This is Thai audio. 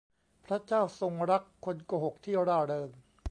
พระเจ้าทรงรักคนโกหกที่ร่าเริง